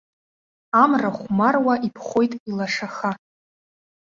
Амра хәмаруа иԥхоит илашаха.